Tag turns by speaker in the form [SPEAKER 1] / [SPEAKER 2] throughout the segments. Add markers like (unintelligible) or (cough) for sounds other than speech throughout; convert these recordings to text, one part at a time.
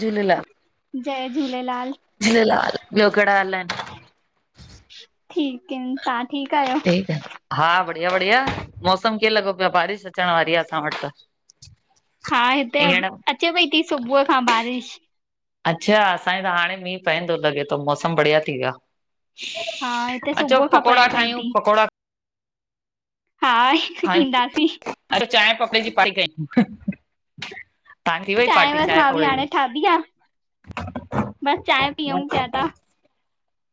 [SPEAKER 1] झूलेलाल
[SPEAKER 2] जय झूलेलाल
[SPEAKER 1] झूलेलाल ॿियो कहिड़ा हाल आहिन
[SPEAKER 2] ठीक आहिन तव्हां ठीकु आहियो।
[SPEAKER 1] ठीक आ। हा बढ़िया बढ़िया मौसम कीअं लॻो पियो आहे बारिश अचण वारी आहे असां वटि त।
[SPEAKER 2] हा हिते अ
[SPEAKER 1] हींअर
[SPEAKER 2] अचे पई थी सुबुह खां बारिश।
[SPEAKER 1] अच्छा असांजे त हाणे मींहुं पव थो लॻे थो मौसम बढ़िया थी वियो आ
[SPEAKER 2] हा हिते
[SPEAKER 1] अचो
[SPEAKER 2] सुबुह खां पए
[SPEAKER 1] पकोड़ा
[SPEAKER 2] पई
[SPEAKER 1] ठाहियूं
[SPEAKER 2] थी।
[SPEAKER 1] पकोड़ा
[SPEAKER 2] हा
[SPEAKER 1] खायूं,
[SPEAKER 2] ईंदासीं
[SPEAKER 1] अचो चांहि पपड़े जी पाई क (inaudible)
[SPEAKER 2] चांहि बस मां बि हाणे ठाती आहे बसि चांह पीऊं पिया ता।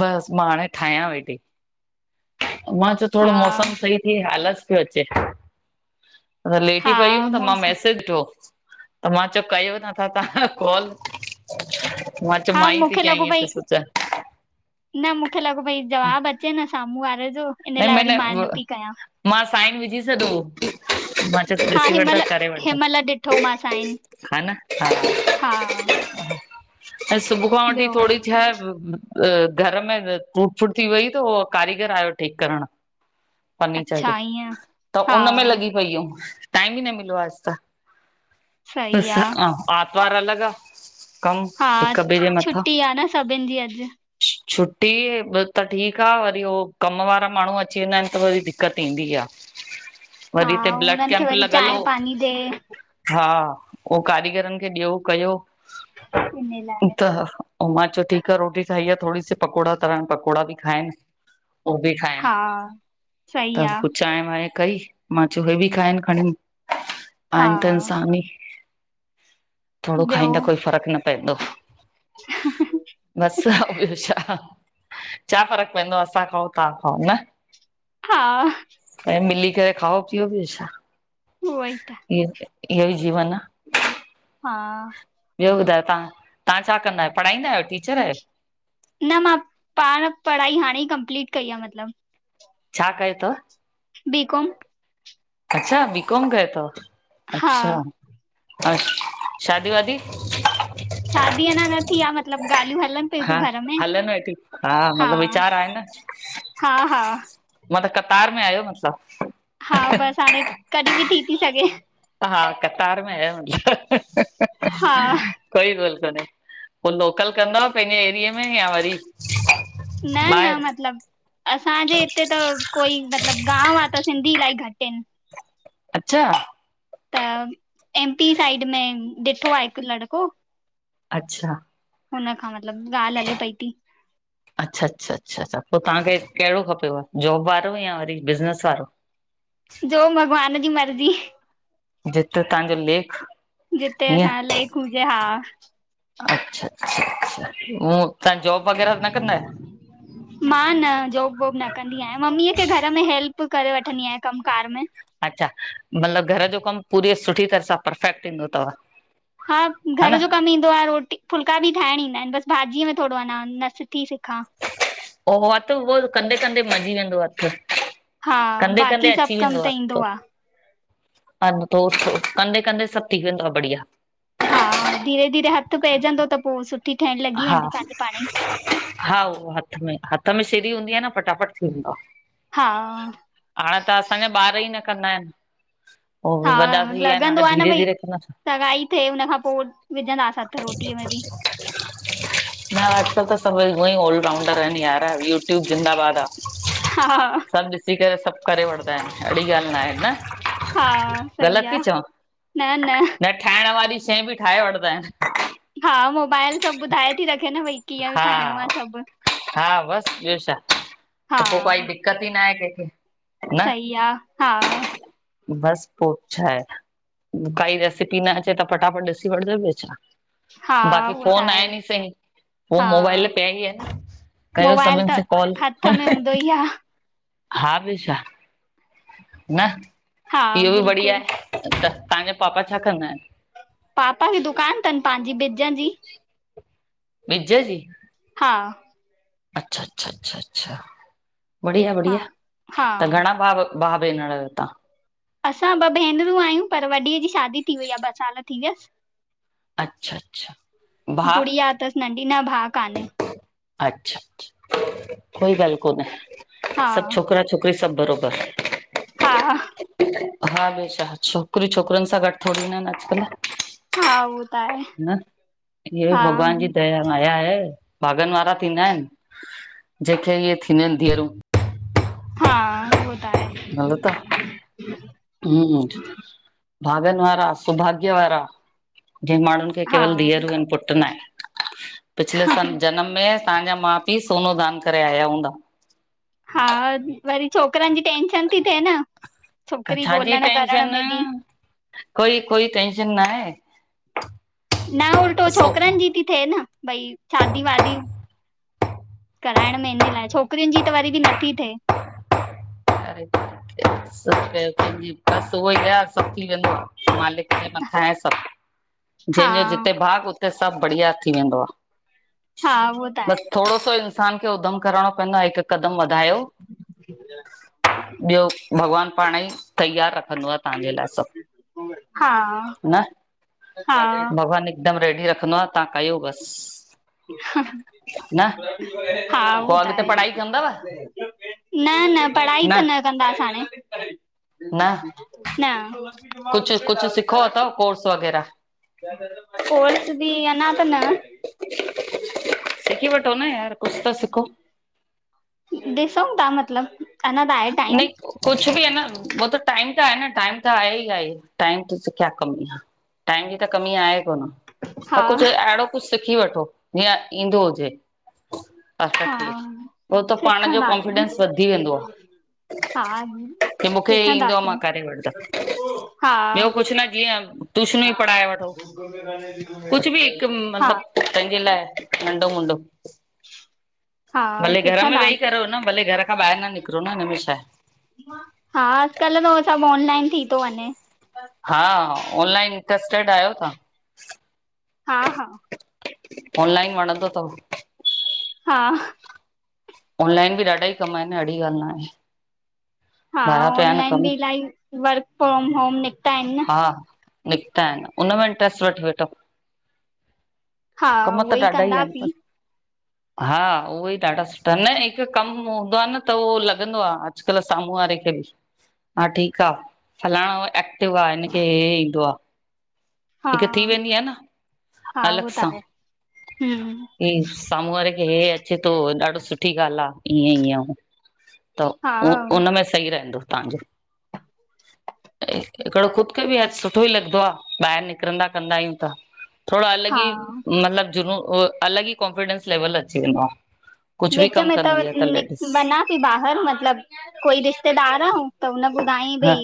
[SPEAKER 1] बसि मां हाणे ठाहियां वेठी मां चयो थोरो
[SPEAKER 2] हा
[SPEAKER 1] मौसम सही इय आलस पियो अचे लेटी
[SPEAKER 2] हा
[SPEAKER 1] पई हुयमि त मां
[SPEAKER 2] मौसम
[SPEAKER 1] मैसेज ॾिठो त मां चयो करे वठां तव्हां सा कॉल मां चयो
[SPEAKER 2] हा
[SPEAKER 1] माई थी
[SPEAKER 2] मूंखे
[SPEAKER 1] कया
[SPEAKER 2] लॻो
[SPEAKER 1] ईय पई सोचा
[SPEAKER 2] न मूंखे लॻो भई जवाबु अचे न साम्हूं वारे जो इन
[SPEAKER 1] नहीं
[SPEAKER 2] लाइ वरी मां न
[SPEAKER 1] मैंने
[SPEAKER 2] पई कयां
[SPEAKER 1] मां साइन विझी छॾो
[SPEAKER 2] हा
[SPEAKER 1] ॾिसी वठ त
[SPEAKER 2] हिमहिल
[SPEAKER 1] करे
[SPEAKER 2] हिमहिल
[SPEAKER 1] वठंदा
[SPEAKER 2] ॾिठोमांस साइन
[SPEAKER 1] हा न हा
[SPEAKER 2] हा
[SPEAKER 1] ऐं सुबुह खां वठी
[SPEAKER 2] ॿियो
[SPEAKER 1] थोरी छ घर में टूट फूट थी वई त उहो कारीगर आयो ठीकु करणु फर्नीचर जो
[SPEAKER 2] अच्छा ईअं
[SPEAKER 1] त
[SPEAKER 2] हा
[SPEAKER 1] उन में लॻी पई हुयम टाइम बि न मिलियो आहे अॼु
[SPEAKER 2] सही आ।
[SPEAKER 1] त आतवार अलॻि आहे। कम हिक ॿि जे मथां
[SPEAKER 2] सभिनि जी अॼु
[SPEAKER 1] छुटी त ठीकु आहे वरी उह कम वारा माण्हू अची वेंदा आहिन त वरी दिक़त ईंदी आहे।
[SPEAKER 2] हा
[SPEAKER 1] वरी हिते ब्लड
[SPEAKER 2] हुननि खे
[SPEAKER 1] कैंप
[SPEAKER 2] वरी
[SPEAKER 1] लॻल हो
[SPEAKER 2] चांहि पाणी ॾे
[SPEAKER 1] हा पोइ कारीगरनि खे ॾियो कयो
[SPEAKER 2] इन लाइ।
[SPEAKER 1] त उ मां चयो ठीकु आहे रोटी ठाही आहे थोरी सी पकोड़ा तरण पकोड़ा बि खाइनि उ बि ठाहिण
[SPEAKER 2] हा सही
[SPEAKER 1] त
[SPEAKER 2] आ
[SPEAKER 1] पोइ चांहि वांहि कई। मां चयो हे बि खाइन खणी,
[SPEAKER 2] हा
[SPEAKER 1] आहिनि त इंसान ही। थोडो खाईंदा कोई फ़र्क़ु न पवंदो।
[SPEAKER 2] ह ह ह
[SPEAKER 1] छा ॿियो छा, छा फ़र्क़ु पएंदो आ असां खओं तां खाओ न।
[SPEAKER 2] हा
[SPEAKER 1] ऐं मिली करे खाओ पीओ ॿियो छा,
[SPEAKER 2] उहो ई त।
[SPEAKER 1] इहो ई जीवन आ।
[SPEAKER 2] हा
[SPEAKER 1] ॿियो ॿुधायो तां, तां छा कंदा आहियो पढ़ाईंदा आहियो टीचर आयो।
[SPEAKER 2] न मां पाण पढ़ाई हाणे ई कंप्लीट कई आ मतिलबु।
[SPEAKER 1] छा कयो तव?
[SPEAKER 2] बी-कॉम।
[SPEAKER 1] अच्छा बी-कॉम कयो तव,
[SPEAKER 2] हा
[SPEAKER 1] अच्छा। अछ शादी वादी
[SPEAKER 2] शादी अञां न थी आ मतिलबु ॻाल्हियूं हलनि पियूं
[SPEAKER 1] हा
[SPEAKER 2] थियूं घर में,
[SPEAKER 1] हलनि वेठी
[SPEAKER 2] हा।
[SPEAKER 1] मतिलबु वीचार आहे
[SPEAKER 2] हा हा
[SPEAKER 1] म त कतार में आहियो मतिलबु?
[SPEAKER 2] हा बसि हाणे कॾी बि थी ती सघे।
[SPEAKER 1] हा कतार में आया हो मतिलबु।
[SPEAKER 2] हा
[SPEAKER 1] कोई ॻाल्हि कोन्हे, पो लोकल कंद पंहिंजे एरिए में या वरी
[SPEAKER 2] न न
[SPEAKER 1] ॿाहिरि
[SPEAKER 2] मतिलबु असांजे हिते त कोई मतिलबु गांव आ, त सिंधी इलाही घटि हिनि
[SPEAKER 1] अच्छा
[SPEAKER 2] त एमपी साइड में ॾिठो आ हिकु लड़को।
[SPEAKER 1] अच्छा
[SPEAKER 2] हुन खां मतिलबु ॻाल्हि हले पई थी।
[SPEAKER 1] अच्छा अच्छा अच्छा पो तव्हांखे कहिड़ो खपेव, जॉब वारो या वरी बिज़नेस वारो?
[SPEAKER 2] जो भॻवान जी मर्ज़ी।
[SPEAKER 1] जिते तव्हांजो लेख
[SPEAKER 2] जिते
[SPEAKER 1] ईअं
[SPEAKER 2] असांज लेक हुजे हा।
[SPEAKER 1] अच्छा अच्छा अच्छा हू तां जॉब वग़ैरहा न कंदा आहियो?
[SPEAKER 2] ह (unintelligible) मां न जॉब-वॉब न कंदी आहियां मम्मीअ खे घर में हेल्प करे वठंदी आहियां कमु कार में।
[SPEAKER 1] अच्छा, मतिलबु घर जो कमु पूरी सुठी तरह सां परफेक्ट ईंदो तव।
[SPEAKER 2] हा घर जो कमु ईंदो आ रोटी फुलका बि ठाहिण ईंदा आहिनि बसि भाॼीअ में थोडो अञां नथीं सिखां।
[SPEAKER 1] ओ हथु उहो कंदे कंदे मंझी वेंदो हथु।
[SPEAKER 2] हा
[SPEAKER 1] कंंदे कंंदे
[SPEAKER 2] बाक़ी सभु
[SPEAKER 1] अची
[SPEAKER 2] कम
[SPEAKER 1] वेंदो आ
[SPEAKER 2] त
[SPEAKER 1] पो।
[SPEAKER 2] ईंदो आहे
[SPEAKER 1] अन त उथो कंदे कंंदे सभु थी वेंदो आ बढिया।
[SPEAKER 2] हा धीरे धीरे हथु पैजंदो त पो सुठ
[SPEAKER 1] हा, हा उहो हथु में, हथु में सीरी हूंदी आ न फटाफट थी वेंदो आ।
[SPEAKER 2] हा
[SPEAKER 1] हाणे त असांजा ॿार ई न कंदा आहिनि, उ
[SPEAKER 2] हा
[SPEAKER 1] वॾा थी विया आहिनि
[SPEAKER 2] लॻंदो
[SPEAKER 1] हाणे
[SPEAKER 2] आहे न
[SPEAKER 1] धीरे
[SPEAKER 2] भई
[SPEAKER 1] धीरे कंदा।
[SPEAKER 2] सगाई थे हुनखां पो, विझंदासीं हथु।
[SPEAKER 1] हा (unintelligible)
[SPEAKER 2] (inaudible)
[SPEAKER 1] न अॼकल्ह त सभई उअंई ऑल राउंडर आहिनि यार यूट्यूब ज़िंदबाद आ।
[SPEAKER 2] हा,
[SPEAKER 1] सभु ॾिसी करे सभु करे वठदा आहिनि। अहिड़ी ॻाल्हि न आहे
[SPEAKER 2] हा
[SPEAKER 1] न,
[SPEAKER 2] सही
[SPEAKER 1] ग़लति थी
[SPEAKER 2] आ
[SPEAKER 1] चवां न। ठाहिण वारी शइ बि ठाहे वठदा आहिन।
[SPEAKER 2] हा मोबाइल सभु ॿुधाए थी रखे न भई कीअं ठाहिणो आ
[SPEAKER 1] हा
[SPEAKER 2] सभु।
[SPEAKER 1] हा बसि ॿियो छा
[SPEAKER 2] हा
[SPEAKER 1] त पो काई दिक़त ई न आहे कंहिंखे।
[SPEAKER 2] सही आ, हा।
[SPEAKER 1] बस पो छा आहे, काई रेसिपी न अचे त फटाफट ॾिसी वठजो ॿियो छा।
[SPEAKER 2] हा
[SPEAKER 1] बाक़ी
[SPEAKER 2] उहो त
[SPEAKER 1] फोन
[SPEAKER 2] आहे
[SPEAKER 1] आहेन ई सही उ
[SPEAKER 2] हा
[SPEAKER 1] मोबाइल पिया ई आहेन। कयो
[SPEAKER 2] मोबाइल
[SPEAKER 1] सभिनि
[SPEAKER 2] त
[SPEAKER 1] से कॉल।
[SPEAKER 2] हथ में हूंदो ई आ
[SPEAKER 1] हा बि छा? न
[SPEAKER 2] हा
[SPEAKER 1] इहो बि बढ़िया
[SPEAKER 2] बिल्कुलु
[SPEAKER 1] आए, त तव्हांजा पापा छा कंदा आहिन?
[SPEAKER 2] पापा जी दुकान तनि पांजी बिजां जी।
[SPEAKER 1] बिज जी?
[SPEAKER 2] हा,
[SPEAKER 1] अच्छा अच्छा अच्छा अच्छा,
[SPEAKER 2] हा
[SPEAKER 1] बढ़िया-बढ़िया
[SPEAKER 2] हा
[SPEAKER 1] त घणा भाव भा बेनड़ आयो तां?
[SPEAKER 2] असां ॿ भेनरूं आहियूं पर वॾीअ जी शादी थी वई आ ॿ साल थी वियस।
[SPEAKER 1] अच्छा अच्छा भाउ
[SPEAKER 2] गुड़िया तस नंढी, न भा कांहे।
[SPEAKER 1] अच्छा कोई ॻाल्ह कोन्हे
[SPEAKER 2] हा
[SPEAKER 1] सभु छोकिरा छोकिरी सभु बरोबर।
[SPEAKER 2] हा,
[SPEAKER 1] हा ॿियो छा, छोकिरी छोकिरनि सां गॾु थोरीयूं आहिनि अॼकल्ह।
[SPEAKER 2] हा उहो त आहे
[SPEAKER 1] न हीअ बि
[SPEAKER 2] हा
[SPEAKER 1] भॻवान जी दया आया आहे। भागन वारा थींदा आहिन जेंखे इअं थींदियूं आहिन धीअरूं।
[SPEAKER 2] हा, उह
[SPEAKER 1] भऱो त। हूं भागन वारा, सौभाग्य वारा जे माणू खे
[SPEAKER 2] हा
[SPEAKER 1] केवल धिअरू इन पुट ना आहे। पिछले सन जनम में तव्हांजा मा पी सोनो दान करे आया हूंदा।
[SPEAKER 2] हा वरी छोकरन जी टेंशन ती थे न। छोकिरी
[SPEAKER 1] छाजी
[SPEAKER 2] ॻोल्हण करण
[SPEAKER 1] टेंशन
[SPEAKER 2] में बि
[SPEAKER 1] कोई कोई टेंशन न आहे।
[SPEAKER 2] न उल्टो
[SPEAKER 1] सो
[SPEAKER 2] छोकरन जी थी थे न भई शादी वादी कराइण में इन लाइ छोकरिन जी त वरी भी नथी थे।
[SPEAKER 1] अरे। (unintelligible) सभ थी वंदो मालिक जे मथां आहे सभ।
[SPEAKER 2] हा
[SPEAKER 1] जंहिंजो जिते भाग, उते सभ बढ़िया थी वेंदो आ।
[SPEAKER 2] हा, उहो त आहे।
[SPEAKER 1] थोडो सो इंसान खे ऊधम करणो पवंदो आ हिक कदम वधाए
[SPEAKER 2] (inaudible)
[SPEAKER 1] ॿियो भॻवान पाणई तयार रखंदो आ। तव्हांजे लाइ सभ,
[SPEAKER 2] हा
[SPEAKER 1] न
[SPEAKER 2] हा
[SPEAKER 1] भॻवान हिकदम रेडी रखंदो आ तव्हां कयो बस।
[SPEAKER 2] हा, उओ
[SPEAKER 1] पोइ
[SPEAKER 2] त
[SPEAKER 1] अॻिते
[SPEAKER 2] आहे।
[SPEAKER 1] पढ़ाई कंदव
[SPEAKER 2] न- न, पढ़ाई त न कंदास हाणे। न-
[SPEAKER 1] कुछ- कुछ सिखो अथव कोर्स वग़ैरह?
[SPEAKER 2] कोर्स भी, अंञा त न।
[SPEAKER 1] सिखी वठो न यार कुछ त सिखो!
[SPEAKER 2] ॾिसंउं ता मतलब! अञा त आहे
[SPEAKER 1] न
[SPEAKER 2] टाइम
[SPEAKER 1] (inaudible) कुछ भी आ न, उहो त- टाइम त आहे न, टाइम त आहे ई आहे, आहे टाइम कया कमी आ! टाइम जी त कमी आहे कोन।
[SPEAKER 2] हा
[SPEAKER 1] त कुछ अहिड़ो कुछ सिखी वठो, जीअं ईंदो हुजे।
[SPEAKER 2] हा
[SPEAKER 1] पो त पाण जो
[SPEAKER 2] सिखंदासीं
[SPEAKER 1] कॉन्फिडेंस वधी वेंदो आ।
[SPEAKER 2] हा
[SPEAKER 1] की मूंखे ईंदो आ मां
[SPEAKER 2] सिखंदासीं,
[SPEAKER 1] करे वठंदमि ॿियो
[SPEAKER 2] हा।
[SPEAKER 1] कुझु न जीअं ट्यूशनूं ई पढ़ाए वठो
[SPEAKER 2] हा
[SPEAKER 1] तैंजे लाए, नंडो हूंदो!
[SPEAKER 2] हा
[SPEAKER 1] भले घर में
[SPEAKER 2] सिखंदा
[SPEAKER 1] वेही करो न, भले घर खां ॿाहिर न निकरो न, हिनमें छा आए!
[SPEAKER 2] हा अॼुकल्ह त उओ सब ऑनलाइन थी थो वंञे।
[SPEAKER 1] हा, ऑनलाइन इंटरेस्टेड आयो तां?
[SPEAKER 2] हा- हा।
[SPEAKER 1] ऑनलाइन वणंदो तव?
[SPEAKER 2] हा
[SPEAKER 1] ऑनलाइन भी ॾाढा ई कम आहिन, अहिड़ी ॻाल न आहे।
[SPEAKER 2] हा
[SPEAKER 1] भया पिया आहिनि
[SPEAKER 2] ऑनलाइन
[SPEAKER 1] कम
[SPEAKER 2] बि इलाही वर्क फ्रोम होम निकता आहिन न।
[SPEAKER 1] निकता आहिन। उनमें इंट्रस्ट वठ वेठो।
[SPEAKER 2] हा
[SPEAKER 1] कम त
[SPEAKER 2] उहे
[SPEAKER 1] ॾाढा ई आहिन,
[SPEAKER 2] कंदासीं
[SPEAKER 1] पर हा उहे ई ॾाढा सुठा त न हिक कम हूंदो आ न त उहो लॻंदो आ अॼुकल्ह सामूं वारे खे बि। हा ठीक आ, फलाणो एक्टिव आ हिनखे हे हे ईंदो आ।
[SPEAKER 2] हा
[SPEAKER 1] हिक थी वेंदी आ न।
[SPEAKER 2] हा उहो
[SPEAKER 1] अलॻ
[SPEAKER 2] त
[SPEAKER 1] सां,
[SPEAKER 2] आहे हम्म
[SPEAKER 1] ई सामूं वारे खे हे ॾाढी सुठी ॻाल आ, ईअं ई त
[SPEAKER 2] हा
[SPEAKER 1] उनमें सही रहंदो तांजो। हिकिड़ो ख़ुदि खे बि ह सुठो ई लॻंदो आ, ॿाहिर निकिरंदा कंदा आहियूं त। थोड़ो अलॻि ई
[SPEAKER 2] हा
[SPEAKER 1] मतिलबु जुनून अलॻि ई कॉनफिडेंस लेवल अची वेंदो आ। कुझु बि
[SPEAKER 2] विच
[SPEAKER 1] कमु
[SPEAKER 2] में त
[SPEAKER 1] कंदी आ लेडीस
[SPEAKER 2] वंञा बहिर मतलब कोई रिश्तेदार आहे त हुन ॿुधाई
[SPEAKER 1] हा
[SPEAKER 2] भई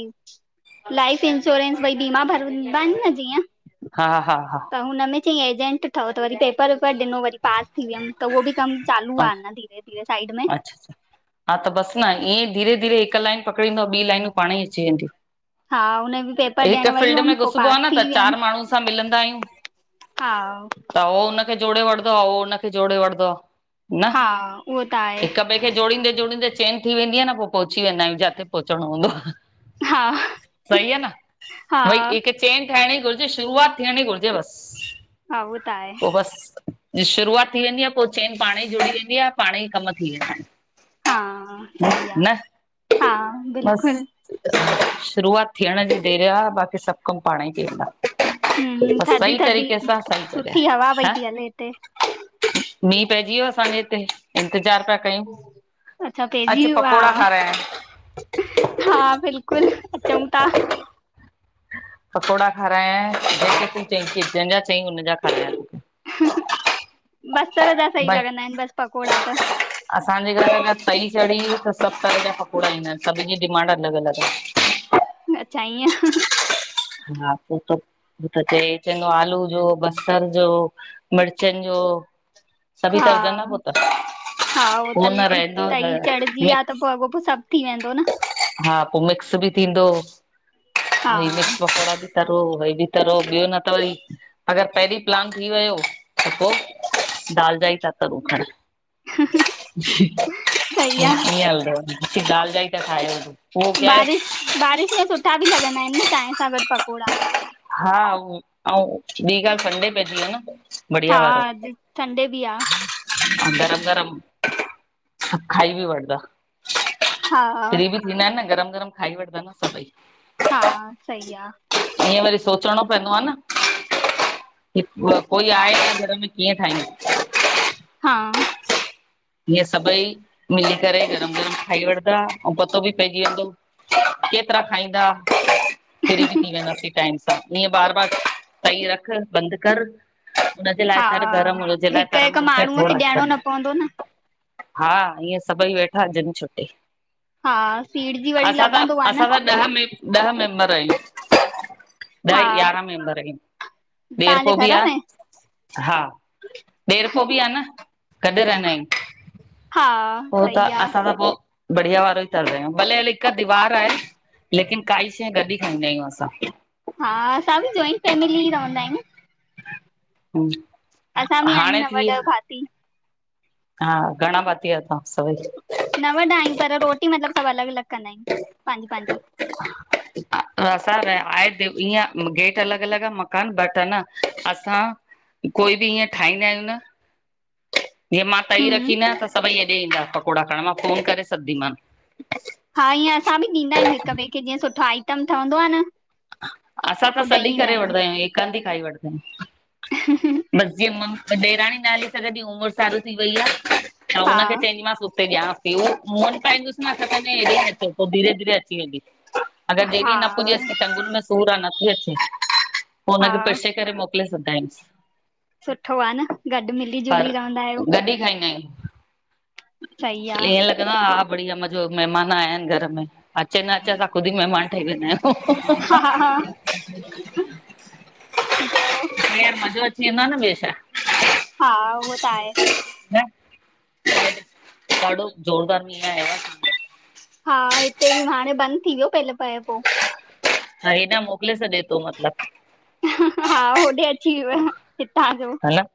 [SPEAKER 2] लाइफ इंश्योरेंस भई बीमा भरंदा आहिन न जीअं
[SPEAKER 1] हा हा हा
[SPEAKER 2] त हुनम में चंईं एजेंट ठव, त वरी पेपर वेपर ॾिनो वरी पास थी वियमि त उहो बि कम चालू आ धीरे धीरे साइड में।
[SPEAKER 1] अच्छा अच्छा हा त बस न, ईअं ई धीरे धीरे हिक लाइन पकड़ींदव, ॿी लाइनू पाणे ई अची वेंदियूं।
[SPEAKER 2] हा हुन बि पेपर
[SPEAKER 1] हिक
[SPEAKER 2] ॾियण वई
[SPEAKER 1] फील्ड में
[SPEAKER 2] हुअमि पो
[SPEAKER 1] घुसबो
[SPEAKER 2] पास
[SPEAKER 1] आ न त
[SPEAKER 2] थी वियमि
[SPEAKER 1] चार माण्हू सां मिलंदा आहियूं।
[SPEAKER 2] हा
[SPEAKER 1] त उहो हुनखे जोड़े वठंदो आ, उ हुनखे जोड़े वठंदो आ, न
[SPEAKER 2] हा उहो त आहे
[SPEAKER 1] हिक ॿिए जोड़िंदे जोड़िंदे चेंन थी वेंदी आ न पो पोउंचीें वेंदा आयूं, जाते पहुचणो हूंदो आ।
[SPEAKER 2] हा
[SPEAKER 1] सही आ न,
[SPEAKER 2] हा
[SPEAKER 1] भई हिकु हिकु चैन ठाहिण घुरजे, शुरूआत थियणी घुरजे बस,
[SPEAKER 2] हा उहो त आहे
[SPEAKER 1] पो बस। शुरूआति थी वेंदी आहे, पोइ चैन पाणई जुड़ीजी वेंदी आहे, पाण ई कमु थी वेंदा आहिनि।
[SPEAKER 2] हा सही आहे। हा बिल्कुलु।
[SPEAKER 1] शुरूआति थियण जी देरि आहे, बाक़ी सभु कमु पाण ई थी वेंदा।
[SPEAKER 2] हम्म
[SPEAKER 1] बसि
[SPEAKER 2] थधी
[SPEAKER 1] सई
[SPEAKER 2] थधी
[SPEAKER 1] तरीक़े सां सई कजै,
[SPEAKER 2] सुठी हवा पई
[SPEAKER 1] हा।
[SPEAKER 2] थी हले हिते
[SPEAKER 1] मींहु पइजी वियो असांजे हिते, इंतजार पिया कयूं,
[SPEAKER 2] अच्छा पेजी
[SPEAKER 1] अच
[SPEAKER 2] वियो
[SPEAKER 1] पकोड़ा
[SPEAKER 2] आ,
[SPEAKER 1] खाणाये।
[SPEAKER 2] हा बिल्कुलु, अचऊं था।
[SPEAKER 1] पकोड़ा खाराये जेके तूं चईं जंहिंजा चईं हुन जा खाराये तोखे।
[SPEAKER 2] हह, बसरु जा सही
[SPEAKER 1] भई
[SPEAKER 2] लॻंदा आहिनि बसि पकोड़ा त।
[SPEAKER 1] असांजे घरि अगरि त तई चढ़ी त सभु तरह जा पकोड़ा ठहिंदा आहिनि, सभिननि जी डिमांड अलॻि-अलॻि आहे।
[SPEAKER 2] अच्छा ईअं।
[SPEAKER 1] हा, पो त त हे चवंदो आलू जो, बसरु जो, मिर्चनि जो सभी
[SPEAKER 2] हा
[SPEAKER 1] तरजंदा पो त।
[SPEAKER 2] हा हो
[SPEAKER 1] उहो न
[SPEAKER 2] तल-तई
[SPEAKER 1] रहंदो
[SPEAKER 2] चढ़जी आहे त
[SPEAKER 1] मिक्स
[SPEAKER 2] पो अॻोपो सभु थी वेंदो न।
[SPEAKER 1] हा पो मिक्स बि थींदो भई
[SPEAKER 2] हा।
[SPEAKER 1] मिक्स पकोड़ा बि तरो, हे बि तरो, ॿियो न त वरी अगरि पहिरीं प्लान थी वियो त पोइ दाल जा ई था तरूं खणी।
[SPEAKER 2] सही आ
[SPEAKER 1] ईअं अलाए दाल जाई तां गाल्हियूं।
[SPEAKER 2] बारिश-बारिश में सुठा बि लॻंदा आहिनि न चांहि सां गॾु पकोड़ा।
[SPEAKER 1] हा आऊं ॿी ॻाल्हि संडे पइजी वियो न।
[SPEAKER 2] हा अॼु संडे बि आहे।
[SPEAKER 1] गरम-गरम खाई बि वठदा।
[SPEAKER 2] हा
[SPEAKER 1] फ्री बि थींदा आहिनि न गरम-गरम खाई वठंदा न सभई।
[SPEAKER 2] हा, सही आहे।
[SPEAKER 1] ईअं वरी सोचणो पवंदो आहे न। हीकु कोई आहे न घरि में कीअं ठाहींदसि।
[SPEAKER 2] हा।
[SPEAKER 1] ईअं सभई मिली करे गरम-गरम खाई वठदा आऊं पतो बि पइजी वेंदो। केतिरा खाईंदा? फ्री बि थी वेंदासीं टाईम सां, निअं बार-बार तई रखि बंदि कर हुनजे लाइ
[SPEAKER 2] हा
[SPEAKER 1] तर गरम, हुनजे लाइ
[SPEAKER 2] हिक हिक
[SPEAKER 1] तराम न त
[SPEAKER 2] माण्हूअ खे
[SPEAKER 1] थोरा।
[SPEAKER 2] ॾियणो न पवंदो न
[SPEAKER 1] हा ईअं सभई वेठा ॼींद छुट्टी,
[SPEAKER 2] हा सीड़जी वरी
[SPEAKER 1] असां
[SPEAKER 2] लॻंदो आ न
[SPEAKER 1] त-असां त ॾह में-ॾह मेंम्बरू आयूं
[SPEAKER 2] हा
[SPEAKER 1] ॾहं-यारा मेंम्बरु आयूं,
[SPEAKER 2] तव्हांजे
[SPEAKER 1] ॾेरपो बी
[SPEAKER 2] घर
[SPEAKER 1] आ
[SPEAKER 2] में
[SPEAKER 1] हा। ॾेरपो बि आ न, गॾु रहंदा आहियूं।
[SPEAKER 2] हा।
[SPEAKER 1] पो त
[SPEAKER 2] सही आ
[SPEAKER 1] असां त पो बढ़िया वारो ई तरदा आहियूं। भले हल हिकु तीवार आहे, लेकिन काई शइ गॾु ई खाईंदा आहियूं असां।
[SPEAKER 2] हा, असां बि जॉइंट फैमिली ई रहंदा आहियूं। असां बि आहियूं
[SPEAKER 1] हाणे थी
[SPEAKER 2] नव-ॾह भाती।
[SPEAKER 1] हा, घणा भाती आहि तव्हां सभई?
[SPEAKER 2] नव-ॾह आहियूं, पर रोटी मतिलबु सभु अलॻ-अलॻ कंदा आहियूं पंहिंजी-पंहिंजी।
[SPEAKER 1] असां रह आहे द ईअ गेट अलॻ अलॻि आ मकान बट आ न असां कोई बि ईअं ठाहींदा आहियूं न जीअं मां तई
[SPEAKER 2] हम्म
[SPEAKER 1] रखी न त सभई हेॾे ईंदा पकोड़ा खणण मां फोन करे छॾंदीमांन।
[SPEAKER 2] हा ईअं असां बि ॾींदा आहियूं हिक ॿे खे जीअ सुठा आइटम ठहंदो आ न।
[SPEAKER 1] असां त
[SPEAKER 2] पो
[SPEAKER 1] सॾ ई
[SPEAKER 2] ॾेई ईंदा
[SPEAKER 1] करे वठंदा आयूं हिक हंध ई खाई वठंदा
[SPEAKER 2] आहियूं
[SPEAKER 1] आइन बस जीअ मम ॾेराणी न हली सघंदी उमिरि सारू थी वई आ आऊं
[SPEAKER 2] हा
[SPEAKER 1] हुनखे चवंदीमां प ते जां मूं वट पाईंदुसि न त हत में चे पो धीरे धरे अची वेंदी। अगर
[SPEAKER 2] हा
[SPEAKER 1] डेली न पुॼेस की टंगुनि में सूर आ नथी अचे पो
[SPEAKER 2] हा
[SPEAKER 1] हुनखे पीसे करे मो किले सधदायूंस।
[SPEAKER 2] सुठो आ न गॾु मिली जुली रहंदा आहियो।
[SPEAKER 1] कॾीं खाईंदा आहिन?
[SPEAKER 2] सही आ
[SPEAKER 1] ईअं लॻंदो आहे हा बढ़िया मजो महिमान आया आहिन घर में। अचे न अचे असां खुदि ई महिमान ठही वेंदा आयूं।
[SPEAKER 2] हा हा, ॿियो?
[SPEAKER 1] यार मज़ो अची वेंदो आ न, ॿियो छा?
[SPEAKER 2] हा, उहो त आहे।
[SPEAKER 1] ढाढो ज़ोरदार मीं आया
[SPEAKER 2] हा हिते बि हाणे बंदि थी वियो पेले पए पो।
[SPEAKER 1] हा हेॾां मोकिले छॾे थो मतलब।
[SPEAKER 2] हा, होॾे अची वियोव हितां जो।
[SPEAKER 1] ह न